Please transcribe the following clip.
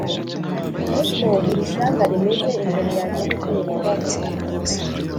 ni ko iri shyanga rimeze imbere yanjye ni ko Yehova avuga